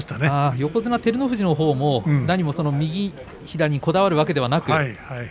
横綱照ノ富士のほうも右左にこだわるわけではなく。